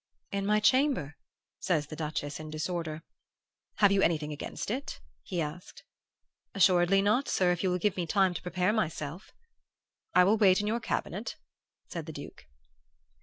"'In my chamber?' says the Duchess, in disorder. "'Have you anything against it?' he asked. "'Assuredly not, sir, if you will give me time to prepare myself.' "'I will wait in your cabinet,' said the Duke.